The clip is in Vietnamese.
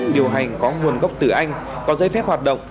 điều hành có nguồn gốc từ anh có giấy phép hoạt động